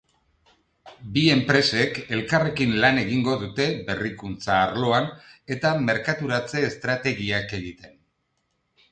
Bi enpresek elkarrekin lan egingo dute berrikuntza arloan eta merkaturatze estrategiak egiten.